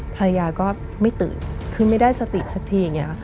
ภรรยาก็ไม่ตื่นคือไม่ได้สติสักทีอย่างนี้ค่ะ